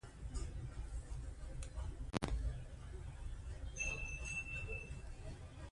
مس د افغان ماشومانو د لوبو موضوع ده.